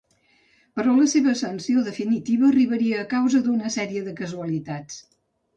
Però la seva ascensió definitiva arribaria a causa d'una sèrie de casualitats.